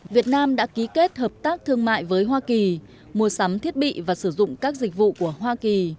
việt nam đã ký kết hợp tác thương mại với hoa kỳ mua sắm thiết bị và sử dụng các dịch vụ của hoa kỳ